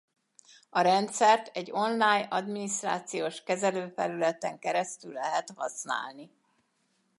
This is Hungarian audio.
A rendszert egy online adminisztrációs kezelőfelületen keresztül lehet használni.